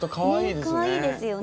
かわいいですよね。